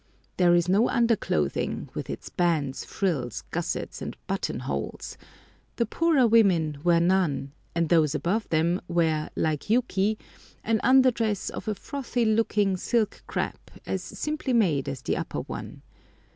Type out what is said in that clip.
There is no underclothing, with its bands, frills, gussets, and button holes; the poorer women wear none, and those above them wear, like Yuki, an under dress of a frothy looking silk crépe, as simply made as the upper one.